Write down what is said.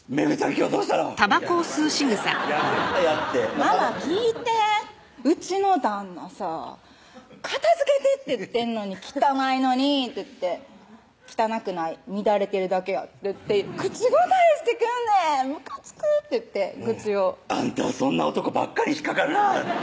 今日どうしたの？」みたいな感じでやって「ママ聞いてうちの旦那さ片づけてって言ってんのに汚いのにっ汚くない乱れてるだけやって口答えし「むかつく！」って言って愚痴を「あんたはそんな男ばっかりに引っ掛かるなぁ」